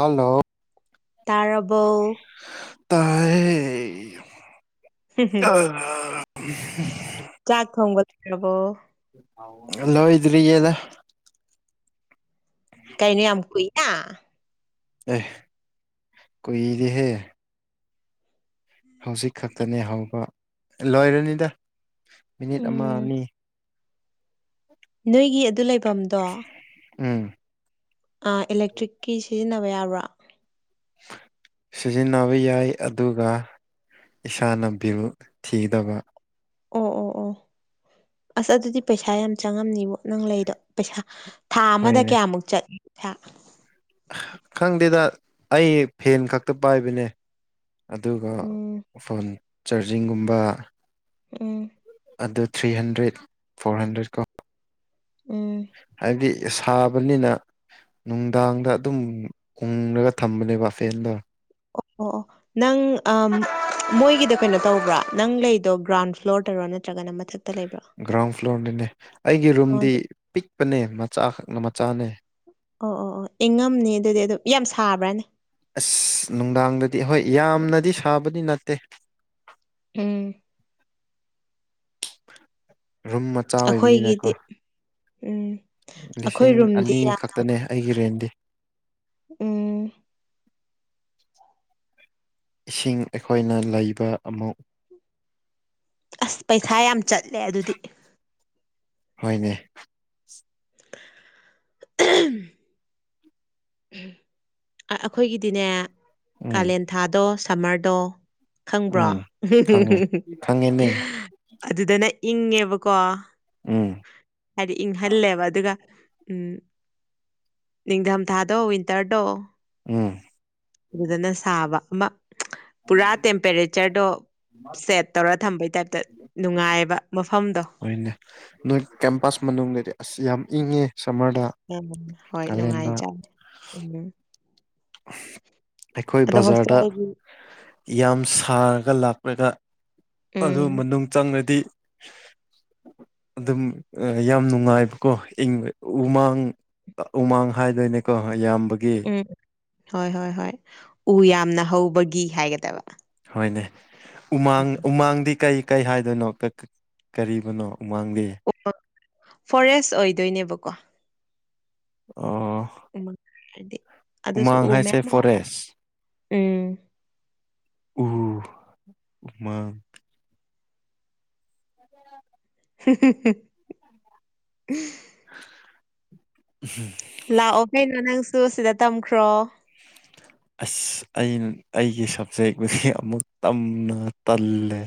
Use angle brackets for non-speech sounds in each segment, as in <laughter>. ꯍꯥꯜꯂꯣ ꯇꯥꯔꯕꯣ ꯇꯥꯏꯌꯦ <unintelligible> ꯆꯥꯛ ꯊꯣꯡꯕ ꯂꯣꯢꯔꯕꯣ ꯑ ꯂꯣꯏꯗ꯭ꯔꯤ ꯌꯦꯗ ꯀꯩꯅꯣ ꯌꯥꯝ ꯀꯨꯢꯅ ꯑꯦ ꯀꯨꯢꯗꯦꯍꯦ ꯍꯧꯖꯤꯛ ꯈꯛꯇꯅꯦ ꯍꯧꯕ ꯂꯣꯏꯔꯅꯤꯗ ꯃꯤꯅꯤꯠ ꯑꯃ ꯎꯝ ꯑꯅꯤ <unintelligible> ꯅꯣꯏꯒꯤ ꯑꯗꯨ ꯂꯩꯕꯝꯗꯣ ꯎꯝ ꯑ ꯏꯂꯦꯛꯇ꯭ꯔꯤꯛꯀꯤ ꯁꯤꯖꯤꯟꯅꯕ ꯌꯥꯕ꯭ꯔꯥ ꯁꯤꯖꯤꯟꯅꯕ ꯌꯥꯏ ꯑꯗꯨꯒ ꯏꯁꯥꯅ ꯕꯤꯜ ꯊꯤꯗꯕ ꯑꯣ ꯑꯣ ꯑꯣ ꯑꯁ ꯑꯗꯨꯗꯤ ꯄꯩꯁꯥ ꯌꯥꯝ ꯆꯪꯉꯝꯅꯤꯕꯨ ꯅꯪ ꯂꯩꯗꯣ ꯄꯩꯁꯥ ꯊꯥ ꯑꯃꯗ ꯍꯣꯏꯅꯦ ꯀꯌꯥꯃꯨꯛ ꯆꯠꯂꯤ ꯊ ꯈꯪꯗꯦꯗ ꯑꯩ ꯐꯦꯟ ꯈꯛꯇ ꯄꯥꯏꯕꯅꯦ ꯑꯗꯨꯒ ꯎꯝ ꯐꯣꯟ ꯆꯥꯔꯖꯤꯡꯒꯨꯝꯕ ꯎꯝ ꯑꯗꯨ ꯊ꯭ꯔꯤ ꯍꯟꯗ꯭ꯔꯦꯠ ꯐꯣꯔ ꯍꯟꯗ꯭ꯔꯦꯠ ꯀꯣ ꯎꯝ ꯗꯤ ꯁꯥꯕꯅꯤꯅ ꯅꯨꯡꯗꯥꯡꯗ ꯑꯗꯨꯝ ꯎꯪꯔꯒ ꯊꯝꯕꯅꯦꯕ ꯐꯦꯟꯗꯣ ꯑꯣ ꯑꯣ ꯑꯣ ꯅꯪ ꯑꯥꯝ ꯃꯣꯏꯒꯤꯗꯣ ꯀꯩꯅꯣ ꯇꯧꯕ꯭ꯔꯥ ꯅꯪ ꯂꯩꯗꯣ ꯒ꯭ꯔꯥꯎꯟ ꯐ꯭ꯂꯣꯔꯗꯔꯣ ꯅꯠꯇ꯭ꯔꯒꯅ ꯃꯊꯛ ꯒ꯭ꯔꯥꯎꯟ ꯐ꯭ꯂꯣꯔꯗꯅꯦ ꯑꯩꯒꯤ ꯑꯣ ꯔꯨꯝꯗꯤ ꯑꯗꯨ ꯄꯤꯛꯄꯅꯦ ꯃꯆꯥ ꯈꯛꯅ ꯃꯆꯥꯅꯦ ꯑꯣ ꯑꯣ ꯑꯣ ꯏꯪꯉꯝꯅꯤ ꯑꯗꯨꯗꯤ ꯑꯗꯨ ꯌꯥꯝ ꯁꯥꯕ꯭ꯔꯥꯅꯦ ꯑꯁ ꯅꯨꯡꯗꯥꯡꯗꯗꯤ ꯍꯣꯏ ꯌꯥꯝꯅꯗꯤ ꯁꯥꯕꯗꯤ ꯅꯠꯇꯦ ꯎꯝ ꯔꯨꯝ ꯃꯆꯥ ꯑꯣꯏꯕꯅꯤꯅꯀꯣ ꯑꯩꯈꯣꯏꯒꯤꯗꯤ ꯎꯝ ꯑꯩꯈꯣꯏ ꯂꯤꯁꯤꯡ ꯔꯨꯝꯗꯤ ꯑꯅꯤ ꯌꯥꯝ ꯈꯛꯇꯅꯦ ꯑꯩꯒꯤ ꯔꯦꯟꯗꯤ ꯎꯝ ꯏꯁꯤꯡ ꯑꯩꯈꯣꯏꯅ ꯂꯩꯕ ꯑꯃꯨꯛ ꯑꯁ ꯄꯩꯁꯥ ꯌꯥꯝ ꯆꯠꯂꯦ ꯑꯗꯨꯗꯤ ꯍꯣꯏꯅꯦ ꯑꯍꯝ ꯑꯥ ꯑꯩꯈꯣꯏꯒꯤꯗꯤꯅꯦ ꯎꯝ ꯀꯥꯂꯦꯟ ꯊꯥꯗꯣ ꯁꯥꯝꯃꯔꯗꯣ ꯈꯪꯕ꯭ꯔꯣ ꯎꯝ ꯈꯪꯉꯦ ꯈꯪꯉꯦꯅꯦ ꯑꯗꯨꯗꯅ ꯏꯪꯉꯦꯕꯀꯣ ꯎꯝ ꯍꯥꯏꯗꯤ ꯏꯪꯍꯥꯜꯂꯦꯕ ꯑꯗꯨꯒ ꯎꯝ ꯅꯤꯡꯊꯝꯊꯥꯗꯣ ꯋꯤꯟꯇꯔꯗꯣ ꯎꯝ ꯑꯗꯨꯗꯅ ꯁꯥꯕ ꯑꯃ ꯄꯨꯔꯥ ꯇꯦꯝꯄꯔꯦꯆꯔꯗꯣ ꯁꯦꯠ ꯇꯧꯔ ꯊꯝꯕꯩ ꯇꯥꯏꯞꯇ ꯅꯨꯡꯉꯥꯏꯕ ꯃꯐꯝꯗꯣ ꯑꯣꯏꯅꯦ ꯅꯣꯏ ꯀꯦꯝꯄꯁ ꯃꯅꯨꯡꯗꯗꯤ ꯑꯁ ꯌꯥꯝ ꯏꯪꯉꯦ ꯁꯥꯝꯃꯔꯗ ꯎꯝ ꯍꯣꯏ ꯅꯨꯡꯉꯥꯏꯆꯥꯠꯅꯦ ꯎꯝ ꯑꯩꯈꯣꯏ ꯑꯗꯣ ꯕꯖꯥꯔꯗ ꯍꯣꯁꯇꯦꯜꯒꯤ ꯌꯥꯝ ꯁꯥꯔꯒ ꯂꯥꯛꯄꯅꯤꯅ ꯑꯗꯨ ꯎꯝ ꯃꯅꯨꯡ ꯆꯪꯔꯥꯗꯤ ꯑꯗꯨꯝ ꯑꯥ ꯌꯥꯝ ꯅꯨꯡꯉꯥꯏꯕꯀꯣ ꯏꯪ ꯎꯃꯥꯡ ꯎꯃꯥꯡ ꯍꯥꯏꯗꯣꯏꯅꯦꯀꯣ ꯃꯌꯥꯝꯕꯒꯤ ꯎꯝ ꯍꯣꯏ ꯍꯣꯏ ꯍꯣꯏ ꯎ ꯌꯥꯝꯅ ꯍꯧꯕꯒꯤ ꯍꯥꯏꯒꯗꯕ ꯍꯣꯏꯅꯦ ꯎꯃꯥꯡ ꯎꯝ ꯎꯃꯥꯡꯗꯤ ꯀꯩ ꯀꯩ ꯍꯥꯏꯗꯣꯏꯅꯣ ꯀꯔꯤꯕꯨꯅꯣ ꯎꯃꯥꯡꯗꯤ ꯑꯣ ꯐꯣꯔꯦꯁ ꯑꯣꯏꯗꯣꯏꯅꯦꯕꯀꯣ ꯑꯣ ꯍꯥꯏꯗꯤ ꯑꯗꯨꯁꯨ ꯎꯃꯥꯡ ꯎ ꯍꯥꯏꯁꯦ ꯃꯌꯥꯝ ꯍꯧꯕ ꯐꯣꯔꯦꯁ ꯎꯝ ꯎ ꯎꯃꯥꯡ <unintelligible> <unintelligible> ꯂꯥꯛꯑꯣ ꯀꯩꯅꯣ ꯅꯪꯁꯨ ꯁꯤꯗ ꯇꯝꯈ꯭ꯔꯣ ꯑꯁ ꯑꯩꯅ ꯑꯩꯒꯤ ꯁꯕꯖꯦꯛ ꯑꯃꯨꯛ ꯇꯝꯅ ꯇꯜꯂꯦ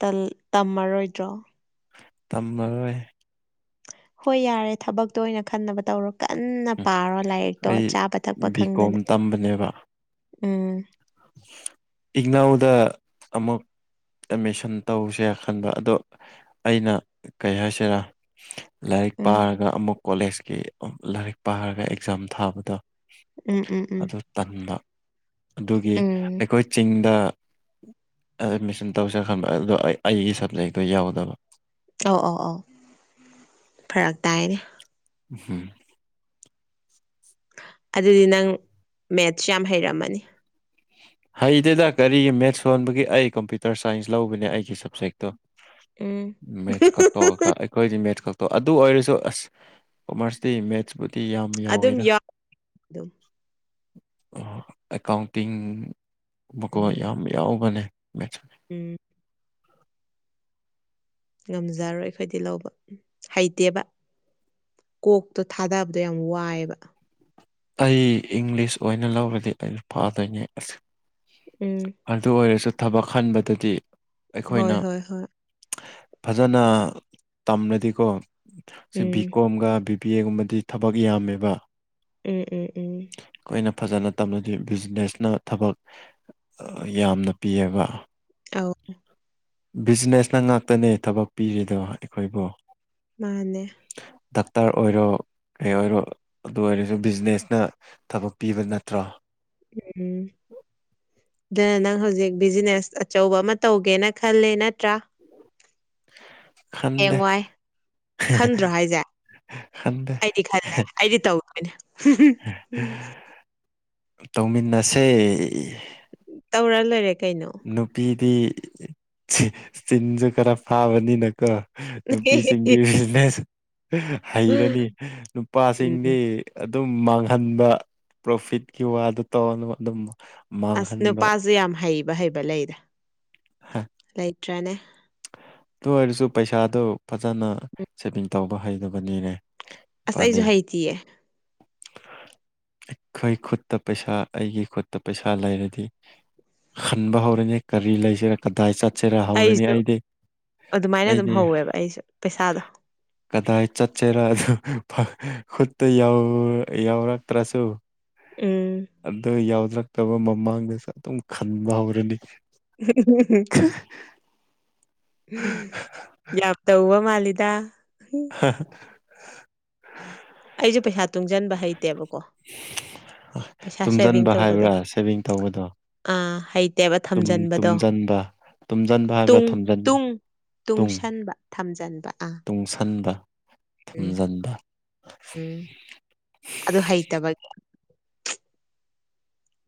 ꯇꯜ ꯇꯝꯃꯔꯣꯏꯗ꯭ꯔꯣ ꯇꯝꯃꯔꯣꯏ ꯍꯣꯏ ꯌꯥꯔꯦ ꯊꯕꯛꯇꯣ ꯑꯣꯏꯅ ꯈꯟꯅꯕ ꯇꯧꯔꯣ ꯀꯥꯟꯅ ꯄꯥꯔꯣ ꯂꯥꯏꯔꯤꯛꯇꯣ ꯑꯩ ꯆꯥꯕ ꯊꯛꯄ ꯕꯤ ꯀꯣꯝ ꯈꯪꯗꯅ ꯇꯝꯕꯅꯦꯕ ꯎꯝ ꯏꯛꯅꯧꯗ ꯑꯃꯨꯛ ꯑꯦꯠꯃꯤꯁꯟ ꯇꯧꯁꯦꯌꯥ ꯈꯥꯟꯕ ꯑꯗꯣ ꯑꯩꯅ ꯀꯩ ꯍꯥꯏꯁꯤꯔꯥ ꯂꯥꯏꯔꯤꯛ ꯎꯝ ꯄꯥꯔꯒ ꯑꯃꯨꯛ ꯀꯣꯂꯦꯖꯀꯤ ꯂꯥꯏꯔꯤꯛ ꯄꯥꯔꯒ ꯑꯦꯛꯖꯥꯝ ꯊꯥꯕꯗꯣ ꯎꯝ ꯎꯝ ꯎꯝ ꯑꯗꯨ ꯇꯟꯕ ꯑꯗꯨꯒꯤ ꯎꯝ ꯑꯩꯈꯣꯏ ꯆꯤꯡ ꯗ ꯑꯦꯗꯃꯤꯁꯟ ꯇꯧ ꯆꯠꯂꯝꯕ ꯑꯗꯨꯗ ꯑꯩ ꯑꯩꯒꯤ ꯁꯕꯖꯦꯛꯇꯣ ꯌꯥꯎꯗꯕ ꯑꯧ ꯑꯧ ꯑꯧ ꯐꯔꯛ ꯇꯥꯏꯅꯦ ꯍꯨꯝ ꯑꯗꯨꯗꯤ ꯅꯪ ꯃꯦꯠꯁ ꯌꯥꯝ ꯍꯩꯔꯝꯃꯅꯤ ꯍꯩ ꯗꯦꯗ ꯀꯔꯤ ꯃꯦꯠꯁ ꯁꯣꯟꯕꯒꯤ ꯑꯩ ꯀꯝꯄ꯭ꯌꯨꯇꯔ ꯁꯥꯏꯟꯁ ꯂꯧꯕꯅꯦ ꯑꯩꯒꯤ ꯁꯕꯖꯦꯛꯇꯣ ꯎꯝ ꯃꯦꯠꯁꯒ ꯇꯣꯛꯑꯒ ꯑꯩ ꯑꯩꯈꯣꯏꯗꯤ ꯃꯦꯠꯁ ꯈꯛꯇꯣ ꯑꯗꯨ ꯑꯣꯏꯔꯁꯨ ꯑꯁ ꯀꯣꯃꯔꯁꯇꯤ ꯃꯦꯠꯁꯄꯨ ꯇꯤ ꯌꯥꯝ ꯑꯗꯨꯝ ꯌꯥꯎꯋꯦꯗ ꯌꯥꯎ ꯑꯗꯨꯝ ꯑꯦꯀꯥꯎꯟꯇꯤꯡ ꯕꯀꯣ ꯎꯝ ꯌꯥꯝ ꯌꯥꯎꯕꯅꯦ ꯃꯦꯠꯁ ꯎꯝ ꯉꯝꯖꯔꯣꯏ ꯑꯩꯈꯣꯏꯗꯤ ꯂꯧꯕ ꯍꯩꯇꯦꯕ ꯀꯣꯛꯇꯣ ꯊꯥꯗꯕꯗꯣ ꯌꯥꯝ ꯋꯥꯏꯌꯦꯕ ꯑꯩ ꯏꯪꯂꯤꯁ ꯑꯣꯏꯅ ꯂꯧꯔꯗꯤ ꯑꯩꯖꯨ ꯄꯥꯗꯣꯏꯅꯦ ꯑꯁ ꯎꯝ ꯑꯗꯨ ꯑꯣꯏꯔꯁꯨ ꯊꯕꯛ ꯈꯥꯟꯕꯗꯗꯤ ꯍꯣꯏ ꯑꯩꯈꯣꯏꯅ ꯍꯣꯏ ꯍꯣꯏ ꯐꯖꯅ ꯇꯝꯔꯗꯤꯀꯣ ꯁꯤ ꯕꯤ ꯎꯝ ꯀꯣꯝꯒ ꯕꯤ ꯄꯤꯌꯦ ꯒꯨꯝꯕꯗꯤ ꯊꯕꯛ ꯌꯥꯝꯃꯦꯕ ꯎꯝ ꯎꯝ ꯎꯝ ꯑꯩꯈꯣꯏꯅ ꯐꯖꯅ ꯇꯝꯂꯗꯤ ꯕꯤꯖꯤꯅꯦꯁꯅ ꯊꯕꯛ ꯑꯥ ꯌꯥꯝꯅ ꯄꯤꯌꯦꯕ ꯇꯧ ꯕꯤꯖꯤꯅꯦꯁꯅ ꯉꯥꯛꯇꯅꯦ ꯊꯕꯛ ꯄꯤꯔꯤꯗꯣ ꯑꯩꯈꯣꯏꯕꯨ ꯃꯥꯅꯦ ꯗꯥꯛꯇꯔ ꯑꯣꯏꯔꯣ ꯀꯩ ꯑꯣꯏꯔꯣ ꯑꯗꯨ ꯑꯣꯏꯔꯖꯨ ꯕꯤꯖꯤꯅꯦꯁꯅ ꯊꯕꯛ ꯄꯤꯕ ꯅꯠꯇ꯭ꯔꯣ ꯎꯝ ꯑꯗꯨꯅ ꯅꯪ ꯍꯧꯖꯤꯛ ꯕꯤꯖꯤꯅꯦꯁ ꯑꯆꯧꯕ ꯑꯃ ꯇꯧꯒꯦꯅ ꯈꯥꯜꯂꯦ ꯅꯠꯇ꯭ꯔꯥ ꯈꯟꯗꯦ ꯍꯌꯦꯡꯋꯥꯏ ꯈꯟꯗ꯭ꯔꯣ ꯍꯥꯏꯖꯦ ꯈꯟꯗꯦ ꯑꯩꯗꯤ ꯈꯜꯂꯦ ꯑꯩꯗꯤ ꯇꯧꯗꯣꯏꯅꯦ ꯍꯨꯝꯍꯨꯝ ꯎꯝ ꯇꯧꯃꯤꯟꯅꯁꯦ ꯇꯧꯔ ꯂꯣꯏꯔꯦ ꯀꯩꯅꯣ ꯅꯨꯄꯤꯗꯤ ꯆꯤꯟ ꯆꯤꯟꯖꯨ ꯈꯔ ꯐꯥꯕꯅꯤꯅꯀꯣ ꯅꯨꯄꯤꯁꯤꯡꯗꯤ ꯕꯤꯖꯤꯅꯦꯁ ꯍꯩꯔꯅꯤ ꯅꯨꯄꯥꯁꯤꯡꯗꯤ ꯎꯝ ꯑꯗꯨꯝ ꯃꯥꯡꯍꯥꯟꯕ ꯄ꯭ꯔꯣꯐꯤꯠꯀꯤ ꯋꯥꯗꯨ ꯇꯧꯅꯣ ꯑꯗꯨꯝ ꯑꯁ ꯃꯥꯡꯍꯟꯕ ꯅꯨꯄꯥꯖꯨ ꯌꯥꯝ ꯍꯩꯕ ꯍꯩꯕ ꯂꯩꯗ ꯂꯩꯇ꯭ꯔꯥꯅꯦ ꯑꯗꯨ ꯑꯣꯏꯔꯁꯨ ꯄꯩꯁꯥꯗꯨ ꯐꯖꯅ ꯁꯦꯚꯤꯡ ꯇꯧꯕ ꯍꯩꯗꯕꯅꯤꯅꯦ ꯑꯁ ꯄꯥꯟꯗꯦ ꯑꯩꯖꯨ ꯍꯩꯇꯤꯌꯦ <unintelligible> ꯑꯩꯈꯣꯏ ꯈꯨꯠꯇ ꯄꯩꯁꯥ ꯑꯩꯒꯤ ꯈꯨꯠꯇ ꯄꯩꯁꯥ ꯂꯩꯔꯗꯤ ꯍꯟꯕ ꯍꯧꯔꯅꯤ ꯀꯔꯤ ꯂꯩꯖꯤꯔꯥ ꯀꯗꯥꯏ ꯆꯥꯠꯁꯤꯔꯥ ꯍꯧꯔꯅꯤ ꯑꯩꯁꯨ ꯑꯩꯗꯤ ꯑꯗꯨꯃꯥꯏꯅ ꯑꯗꯨꯝ ꯑꯩꯗꯤ ꯍꯧꯋꯦꯕ ꯑꯩꯁꯨ ꯄꯩꯁꯥꯗꯣ <inaudible> ꯀꯗꯥꯏ ꯆꯠꯁꯤꯔꯥ ꯑꯗꯨ ꯐ ꯈꯨꯠꯇ ꯌꯥꯎ ꯌꯥꯎꯔꯛꯇ꯭ꯔꯁꯨ ꯎꯝ ꯑꯗꯨ ꯌꯥꯎꯔꯛꯇꯕ ꯃꯃꯥꯡꯗꯁꯨ ꯑꯗꯨꯝ ꯈꯟꯕ ꯍꯧꯔꯅꯤ ꯂꯥꯞ ꯇꯧ ꯋꯥ ꯃꯥꯜꯂꯤꯗ <inaudible> ꯑꯩꯖꯨ ꯄꯩꯁꯥ ꯇꯨꯡꯖꯟꯕ ꯍꯩꯇꯦꯕꯀꯣ ꯄꯩꯁꯥ ꯁꯦꯚꯤꯡ ꯇꯨꯝꯖꯟꯕ ꯇꯧꯕꯗꯣ ꯍꯥꯏꯕ꯭ꯔꯥ ꯁꯦꯚꯤꯡ ꯇꯧꯕꯗꯣ ꯑꯥ ꯍꯩꯇꯦꯕ ꯊꯥꯝꯖꯟꯕꯗꯣ ꯇꯨꯝꯁꯤꯟꯕ ꯇꯨꯝꯁꯤꯟꯕ ꯍꯥꯏꯕ꯭ꯔꯥ ꯇꯨꯡ ꯊꯝꯖꯤꯟꯕ ꯇꯨꯡ ꯇꯨꯡ ꯇꯨꯡꯁꯟꯕ ꯊꯝꯖꯟꯕ ꯑꯥ ꯇꯨꯡꯁꯟꯕ ꯎꯝ ꯊꯝꯖꯤꯟꯕ ꯎꯝ ꯑꯗꯨ ꯍꯩꯇꯕ__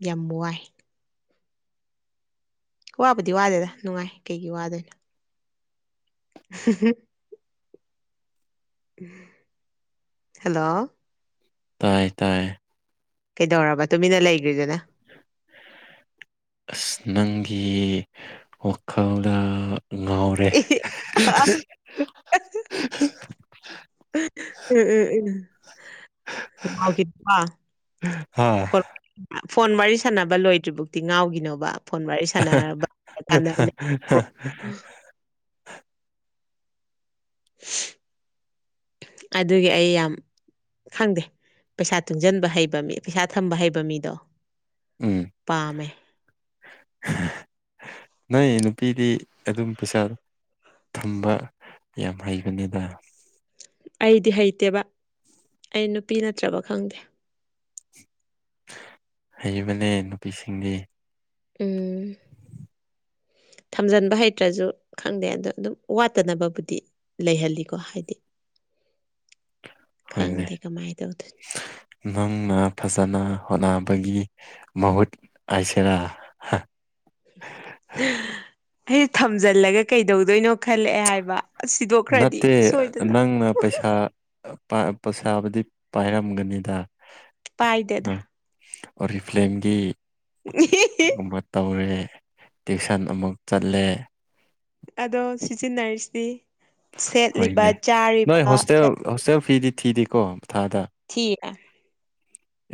ꯌꯥꯝ ꯋꯥꯏ ꯋꯥꯕꯨꯗꯤ ꯋꯥꯗꯦꯗ ꯅꯨꯡꯉꯥꯏ ꯀꯩꯒꯤ ꯋꯥꯗꯣꯏꯅꯣ <unintelligible> ꯍꯜꯂꯣ ꯇꯥꯏ ꯇꯥꯏ ꯀꯩꯗꯧꯔꯕ ꯇꯨꯃꯤꯟꯅ ꯂꯩꯒ꯭ꯔꯤꯗꯨꯅ ꯑꯁ ꯅꯪꯒꯤ ꯋꯥꯈꯜꯗ ꯉꯥꯎꯔꯦ ꯎꯝ ꯎꯝ ꯎꯝ ꯉꯥꯎꯒꯤꯅꯨ ꯀꯣ ꯍꯥ ꯐꯣꯟ ꯋꯥꯔꯤ ꯁꯥꯟꯅꯕ ꯂꯣꯏꯗ꯭ꯔꯤ ꯕꯨꯛꯇꯤ ꯉꯥꯎꯒꯤꯅꯣꯕ꯫ ꯐꯣꯟ ꯋꯥꯔꯤ ꯁꯥꯟꯅꯔꯕ <unintelligible> ꯑꯣꯏꯅ <inaudible> ꯑꯗꯨꯒꯤ ꯑꯩ ꯌꯥꯝ ꯈꯪꯗꯦ ꯄꯩꯁꯥ ꯇꯨꯡꯖꯟꯕ ꯍꯩꯕ ꯃꯤ ꯄꯩꯁꯥ ꯊꯝꯕ ꯍꯩꯕ ꯃꯤꯗꯣ ꯎꯝ ꯄꯥꯝꯃꯦ ꯍꯥ ꯅꯣꯏ ꯅꯨꯄꯤꯗꯤ ꯑꯗꯨꯝ ꯄꯩꯁꯥ ꯊꯝꯕ ꯌꯥꯝ ꯍꯩꯕꯅꯦꯗ ꯑꯩꯗꯤ ꯍꯩꯇꯦꯕ ꯑꯩ ꯅꯨꯄꯤ ꯅꯠꯇ꯭ꯔꯕ ꯈꯪꯗꯦ ꯍꯩꯕꯅꯦ ꯅꯨꯄꯤꯁꯤꯡꯗꯤ ꯎꯝ <inaudible> ꯊꯝꯖꯟꯕ ꯍꯩꯇ꯭ꯔꯖꯨ ꯈꯪꯗꯦ ꯑꯗꯣ ꯑꯗꯨꯝ ꯋꯥꯠꯇꯅꯕꯕꯨꯗꯤ ꯂꯩꯍꯜꯂꯤꯀꯣ ꯍꯥꯏꯗꯤ <unintelligible> ꯈꯪꯗꯦ ꯀꯃꯥꯏ ꯇꯧꯗꯣꯏ ꯅꯪꯅ ꯐꯖꯅ ꯍꯣꯠꯅꯕꯒꯤ ꯃꯍꯨꯠ ꯍꯥꯏꯁꯦꯔꯥ ꯑꯩ ꯊꯝꯖꯜꯂꯒ ꯀꯩꯗꯧꯗꯣꯏꯅꯣ? ꯈꯜꯂꯛꯑꯦ ꯍꯥꯏꯕ ꯁꯤꯗꯣꯛꯈ꯭ꯔꯗꯤ ꯅꯠꯇꯦ ꯁꯣꯏꯗꯅ ꯑ ꯄꯥ ꯄꯩꯁꯥꯕꯨꯗꯤ ꯄꯥꯏꯔꯝꯒꯅꯤꯗ ꯄꯥꯏꯗꯦꯗꯥ ꯑꯣꯔꯤ ꯐ꯭ꯂꯦꯝꯒꯤ ꯑꯍꯤꯍꯤ ꯒꯨꯝꯕ ꯇꯧꯔꯦ ꯇ꯭ꯨꯏꯁꯟ ꯑꯃꯨꯛ ꯆꯠꯂꯦ ꯑꯗꯣ ꯁꯤꯖꯤꯟꯅꯔꯤꯁꯤꯗꯤ ꯁꯦꯠꯂꯤꯕ ꯍꯣꯏꯅꯦ ꯅꯣꯏ ꯆꯥꯔꯤꯕ ꯍꯣꯁꯇꯦꯜ ꯆꯠ ꯍꯣꯁꯇꯦꯜ ꯐꯤꯗꯤ ꯊꯤꯗꯦꯀꯣ ꯊꯥꯗ ꯊꯤꯅꯥ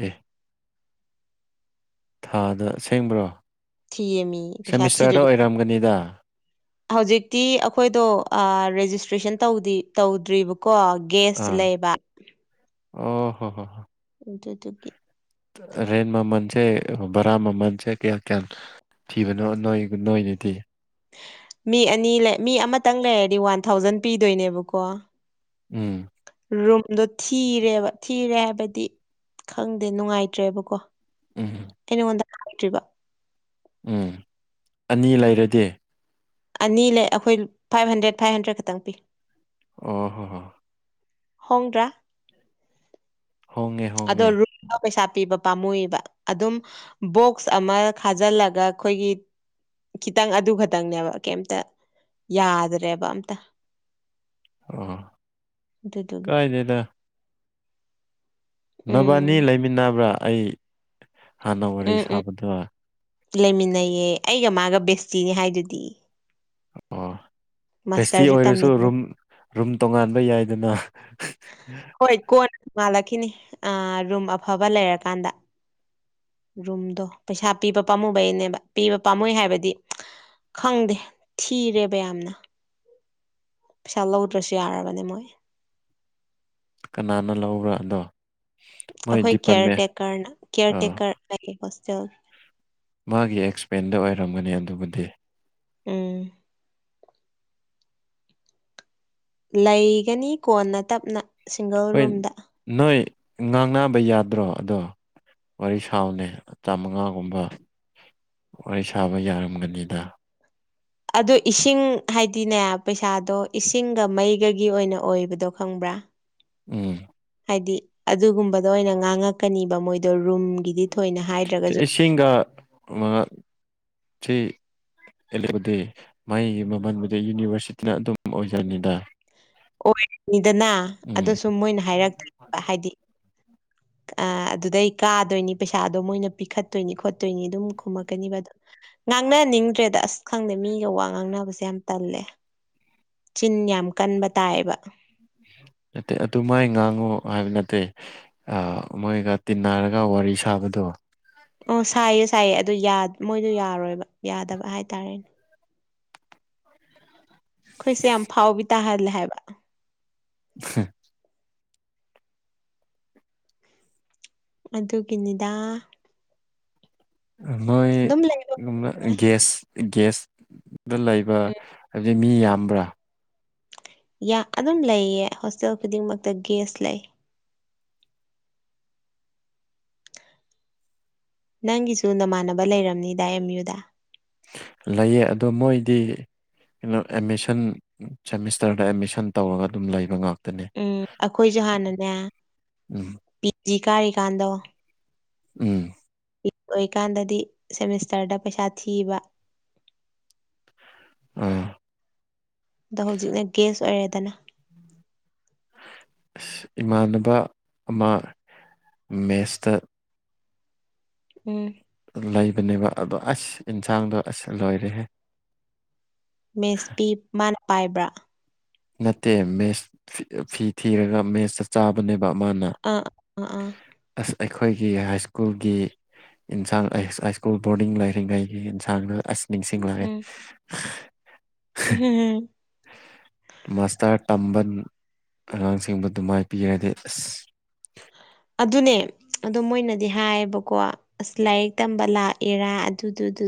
ꯑꯦ ꯊꯥꯗ ꯑꯁꯦꯡꯕ꯭ꯔꯣ ꯊꯤꯌꯦ ꯃꯤ ꯄꯩꯁꯥ ꯁꯦꯃꯤꯁꯇꯔꯗ ꯊꯤꯗ꯭ꯔꯗꯤ ꯑꯣꯏꯔꯝꯒꯅꯤꯗ ꯍꯧꯖꯤꯛꯇꯤ ꯑꯈꯣꯏꯗꯣ ꯑꯥ ꯔꯦꯖꯤꯁꯇ꯭ꯔꯦꯁꯟ ꯇꯧꯗꯤ ꯇꯧꯗ꯭ꯔꯤꯕꯀꯣ ꯒꯦꯁꯇ ꯑꯥ ꯂꯩꯕ ꯑꯣ ꯍꯣ ꯍꯣ ꯑꯗꯨꯗꯨꯒꯤ ꯔꯦꯟ ꯃꯃꯟꯁꯦ ꯕꯔꯥ ꯃꯟꯁꯦ ꯀꯌꯥ ꯀꯌꯥꯅꯣ? ꯊꯤꯕꯅꯣ ꯅꯣꯏꯒ ꯅꯣꯏꯅꯗꯤ ꯃꯤ ꯑꯅꯤ ꯂꯩ ꯃꯤ ꯑꯃꯇꯪ ꯂꯩꯔꯗꯤ ꯋꯥꯟ ꯊꯥꯎꯖꯟ ꯄꯤꯗꯣꯏꯅꯦꯕꯀꯣ ꯎꯝ ꯔꯨꯝꯗꯣ ꯊꯤꯔꯦꯕ ꯊꯤꯔꯦ ꯍꯥꯏꯕꯗꯤ ꯈꯪꯗꯦ ꯅꯨꯡꯉꯥꯏꯇ꯭ꯔꯦꯕꯀꯣ ꯎꯝ ꯑꯩ ꯅꯉꯣꯟꯗ ꯍꯥꯏꯗ꯭ꯔꯤꯕ ꯎꯝ ꯑꯅꯤ ꯂꯩꯔꯗꯤ ꯑꯅꯤ ꯂꯩ ꯑꯩꯈꯣꯏ ꯐꯥꯏꯞ ꯍꯟꯗ꯭ꯔꯦꯠ ꯐꯥꯏꯞ ꯍꯟꯗ꯭ꯔꯦꯠ ꯈꯇꯪ ꯄꯤ ꯑꯣ ꯍꯣ ꯍꯣ ꯍꯣꯡꯗ꯭ꯔ ꯍꯣꯡꯉꯦ ꯍꯣꯡ ꯑꯗꯣ ꯔꯨꯝ <unintelligible> ꯄꯩꯁꯥ ꯄꯤꯕ ꯄꯥꯝꯃꯨꯏꯕ ꯑꯗꯨꯝ ꯕꯣꯛꯁ ꯑꯃ ꯈꯥꯖꯜꯂꯒ ꯈꯣꯏꯒꯤ ꯈꯤꯇꯪ ꯑꯗꯨ ꯈꯛꯇꯪꯅꯦꯕ ꯀꯩꯝꯇ ꯌꯥꯗ꯭ꯔꯦꯕ ꯑꯝꯇ ꯑꯣ ꯑꯗꯨꯗꯨꯒꯤ ꯀꯥꯏꯗꯦꯗ ꯅꯕꯥꯟꯅꯤ ꯎꯝ ꯂꯩꯃꯤꯟꯅꯕ꯭ꯔ ꯑꯩ ꯍꯥꯟꯅ ꯎꯝ ꯋꯥꯔꯤ ꯎꯝ ꯁꯥꯕꯗꯣ ꯂꯩꯃꯤꯟꯅꯩꯌꯦ ꯑꯩꯒ ꯃꯥꯒ ꯕꯦꯁꯇꯤꯅꯦ ꯍꯥꯏꯗꯨꯗꯤ ꯑꯣ ꯕꯦꯁꯇꯤ ꯃꯥꯁꯇꯔꯁꯨ ꯑꯣꯏꯔꯁꯨ ꯇꯝꯃꯤꯅꯤ ꯔꯨꯝ ꯔꯨꯝ ꯇꯣꯉꯥꯟꯕ ꯌꯥꯏꯗꯅ <unintelligible> ꯍꯣꯏ ꯀꯣꯟ ꯉꯥꯜꯂꯛꯈꯤꯅꯤ ꯑꯥ ꯔꯨꯝ ꯑꯐꯕ ꯂꯩꯔꯀꯥꯟꯗ ꯔꯨꯝꯗꯣ ꯄꯩꯁꯥ ꯄꯤꯕ ꯄꯥꯝꯃꯨꯕꯩꯅꯦꯕ ꯄꯤꯕ ꯄꯥꯝꯃꯨꯏ ꯍꯥꯏꯕꯗꯤ ꯈꯪꯗꯦ ꯊꯤꯔꯦꯕ ꯌꯥꯝꯅ ꯄꯩꯁꯥ ꯂꯧꯗ꯭ꯔꯁꯨ ꯌꯥꯔꯕꯅꯦ ꯃꯣꯏ ꯀꯅꯥꯅ ꯂꯧꯕ꯭ꯔ ꯑꯗꯣ ꯃꯣꯏ ꯑꯈꯣꯏ ꯀꯤꯌꯔ ꯗꯤꯄꯥꯔꯠꯃꯦꯟ ꯇꯦꯛꯀꯔꯅ ꯀꯦꯌꯔ ꯑꯥ ꯇꯦꯛꯀꯔ ꯂꯩ ꯍꯣꯁꯇꯦꯜ ꯃꯥꯒꯤ ꯑꯦꯛꯁꯄꯦꯟꯗ ꯑꯣꯏꯔꯝꯒꯅꯤ ꯑꯗꯨꯕꯨꯗꯤ ꯎꯝ ꯂꯩꯒꯅꯤ ꯀꯣꯟꯅ ꯇꯞꯅ ꯁꯤꯡꯒꯜ ꯍꯣꯏ ꯔꯨꯝꯗ ꯅꯣꯏ ꯉꯥꯡꯅꯕ ꯌꯥꯗ꯭ꯔꯣ ꯑꯗꯣ ꯋꯥꯔꯤ ꯁꯥꯎꯅꯦ ꯗꯥ ꯃꯉꯥꯜꯒꯨꯝꯕ ꯋꯥꯔꯤ ꯁꯥꯕ ꯌꯥꯔꯝꯒꯅꯤꯗ ꯑꯗꯨ ꯏꯁꯤꯡ ꯍꯥꯏꯗꯤꯅꯦ ꯄꯩꯁꯥꯗꯣ ꯏꯁꯤꯡꯒ ꯃꯩꯒꯒꯤ ꯑꯣꯏꯅ ꯑꯣꯏꯕꯗꯣ ꯈꯪꯕ꯭ꯔ ꯎꯝ ꯍꯥꯏꯗꯤ ꯑꯗꯨꯒꯨꯝꯕꯗ ꯑꯣꯏꯅ ꯉꯥꯡꯉꯛꯀꯅꯤꯕ ꯃꯣꯏꯗꯣ ꯔꯨꯝꯒꯤꯗꯤ ꯊꯣꯏꯅ ꯍꯥꯏꯗ꯭ꯔꯒꯖꯨ ꯏꯁꯤꯡꯒ <unintelligible> <unintelligible> ꯃꯥꯩꯒꯤ ꯃꯃꯟꯕꯨꯗꯤ ꯌꯨꯅꯤꯚꯔꯁꯤꯇꯤꯅ ꯑꯗꯨꯝ ꯑꯣꯏꯖꯅꯤꯗ ꯑꯣꯏꯔꯤꯅꯤꯗꯅ ꯎꯝ ꯑꯗꯨꯁꯨ ꯃꯣꯏꯅ ꯍꯥꯏꯔꯛꯇꫭꯏꯕ ꯍꯥꯏꯗꯤ ꯑꯥꯑꯗꯨꯗꯩ ꯀꯥꯗꯣꯏꯅꯤ ꯄꯩꯁꯥꯗꯣ ꯃꯣꯏꯅ ꯄꯤꯈꯠꯇꯣꯏꯅꯤ ꯈꯣꯠꯇꯣꯏꯅꯤ ꯑꯗꯨꯝ ꯈꯨꯝꯃꯛꯀꯅꯤꯕ ꯑꯗꯣ ꯉꯥꯡꯅꯅꯤꯡꯗ꯭ꯔꯦꯗ ꯑꯁ ꯈꯪꯗꯦ ꯃꯤꯒ ꯋꯥ ꯉꯥꯡꯅꯕꯁꯦ ꯌꯥꯝ ꯇꯜꯂꯦ ꯆꯤꯟ ꯌꯥꯝ ꯀꯟꯕ ꯇꯥꯏꯕ ꯅꯠꯇꯦ ꯑꯗꯨꯝꯃꯥꯏ ꯉꯥꯡꯉꯣ ꯍꯥꯏꯕ ꯅꯠꯇꯦ ꯑ ꯃꯣꯏꯒ ꯇꯤꯟꯅꯔꯒ ꯋꯥꯔꯤ ꯁꯥꯕꯗꯣ ꯑꯣ ꯁꯥꯏꯌꯦ ꯁꯥꯏꯌꯦ ꯑꯗꯨ ꯌꯥ ꯃꯣꯏꯗꯣ ꯌꯥꯔꯣꯏꯕ ꯌꯥꯗꯕ ꯍꯥꯏꯇꯥꯔꯦꯅꯦ ꯈꯣꯏꯁꯦ ꯌꯥꯝ ꯐꯥꯎꯕꯤ ꯇꯥꯍꯜꯂꯦ ꯍꯥꯏꯕ <unintelligible> ꯑꯗꯨꯒꯤꯅꯤꯗ ꯍꫭꯏ ꯑꯗꯨꯝ ꯂꯩꯕ <unintelligible> ꯒ꯭ꯌꯥꯁ ꯒ꯭ꯌꯥꯁꯗꫭ ꯂꯩꯕ ꯅꫭꯏ ꯃꯤ ꯌꯥꯝꯕ꯭ꯔ ꯌꯥ ꯑꯗꯨꯝ ꯂꯩꯌꯦ ꯍꯣꯁꯇꯦꯜ ꯈꯨꯗꯤꯡꯃꯛꯇ ꯒꯦꯁ ꯂꯩ ꯅꯪꯒꯤꯁꯨ ꯅꯃꯥꯟꯅꯕ ꯂꯩꯔꯝꯅꯤꯗ ꯑꯦꯝ ꯌꯨꯗ ꯂꯩꯌꯦ ꯑꯗꯣ ꯃꯣꯏꯗꯤ ꯀꯩꯅꯣ ꯑꯦꯠꯃꯤꯁꯟ ꯁꯦꯃꯤꯁꯇꯔꯗ ꯑꯦꯠꯃꯤꯁꯟ ꯇꯧꯔꯒ ꯑꯗꯨꯝ ꯂꯩꯕ ꯉꯥꯛ ꯎꯝ ꯑꯈꯣꯏꯖꯨ ꯍꯥꯟꯅꯅꯦ ꯎꯝ ꯄꯤ ꯖꯤ ꯀꯥꯔꯤꯀꯥꯟꯗꯣ ꯎꯝ ꯏꯞ ꯑꯣꯏꯀꯥꯟꯗꯗꯤ ꯁꯦꯃꯤꯁꯇꯔꯗ ꯄꯩꯁꯥ ꯊꯤꯕ ꯎꯝ ꯗꯣ ꯍꯧꯖꯤꯛꯅ ꯒꯦꯁ ꯑꯣꯏꯔꯦꯗꯅ ꯏꯁ ꯏꯃꯥꯟꯅꯕ ꯑꯃ ꯃꯦꯁꯇ ꯎꯝ ꯂꯩꯕꯅꯦꯕ ꯑꯗꯣ ꯑꯁ ꯏꯟꯁꯥꯡꯗꯣ ꯑꯁ ꯂꯣꯏꯔꯦꯍꯦ ꯃꯦꯁ ꯄꯤꯞ ꯃꯥꯅ ꯄꯥꯏꯕ꯭ꯔꯥ ꯅꯠꯇꯦ ꯃꯦꯁ ꯐꯤ ꯑ ꯐꯤ ꯊꯤꯔꯒ ꯃꯦꯁꯇ ꯆꯥꯕꯅꯦꯕ ꯃꯥꯅ ꯑꯥ ꯑꯥ ꯑꯥ ꯑꯁ ꯑꯩꯈꯣꯏꯒꯤ ꯍꯥꯏ ꯁ꯭ꯀꯨꯜꯒꯤ ꯑꯦꯟꯁꯥꯡ ꯑꯦꯏꯁ ꯑꯩ ꯁ꯭ꯀꯨꯜ ꯕꯣꯔꯗꯤꯡ ꯂꯩꯔꯤꯉꯩꯒꯤ ꯏꯟꯁꯥꯡꯗꯣ ꯑꯁ ꯅꯤꯡꯁꯤꯡꯂꯛꯑꯦ ꯎꯝꯍꯝ ꯃꯥꯁꯇꯔ ꯇꯝꯕ ꯑꯉꯥꯡꯁꯤꯡꯕꯨ ꯗꯨꯃꯥꯏ ꯄꯤꯔꯗꯤ ꯑꯁ ꯑꯗꯨꯅꯦ ꯑꯗꯣ ꯃꯣꯏꯅꯗꯤ ꯍꯥꯏꯌꯦꯕꯀꯣ ꯑꯁ ꯂꯥꯏꯔꯤꯛ ꯇꯝꯕ ꯂꯥꯛꯏꯔꯥ ꯑꯗꯨꯗꯨꯗꯨ